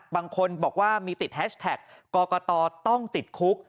บางคนบอกว่ามีติดแฮชแท็กกตต้องติดคุก